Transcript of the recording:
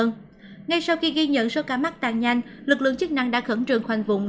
ngay sau khi ghi nhận số ca mắc tàn nhanh lực lượng chức năng đã khẩn trường khoanh vùng